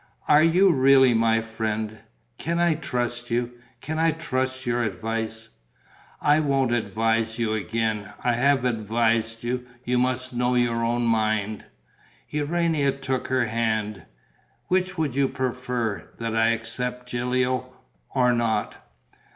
"Are you really my friend? Can I trust you? Can I trust your advice?" "I won't advise you again. I have advised you. You must know your own mind." Urania took her hand: "Which would you prefer, that I accepted Gilio ... or not?"